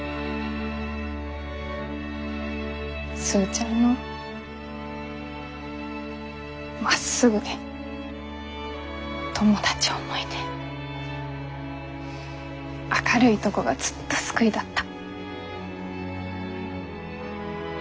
スーちゃんのまっすぐで友達思いで明るいとこがずっと救いだった。